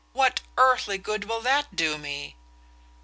"What earthly good will that do me?"